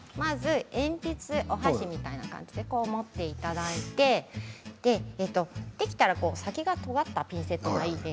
鉛筆、お箸みたいに持っていただいてできたら先がとんがったピンセットがいいです。